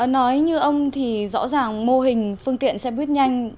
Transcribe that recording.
nói như ông thì rõ ràng mô hình phương tiện xe buýt nhanh